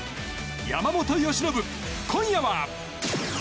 山本由伸、今夜は。